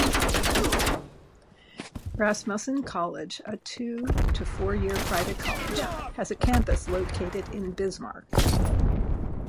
Rasmussen College, a two to four-year private college, has a campus location in Bismarck.